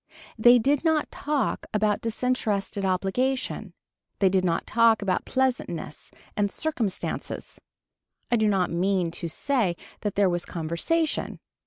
They did not talk about disinterested obligation. They did not talk about pleasantness and circumstances. I do not mean to say that there was conversation.